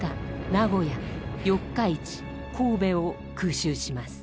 名古屋四日市神戸を空襲します。